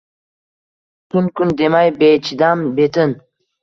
Tun-kun demay bechidam, betin